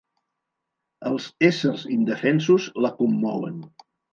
Els éssers indefensos la commouen.